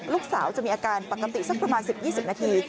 ลูกสาวจะมีอาการปกติสักประมาณ๑๐๒๐นาที